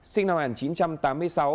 sinh năm một nghìn chín trăm tám mươi sáu